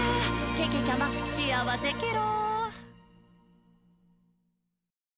けけちゃま、しあわせケロ！」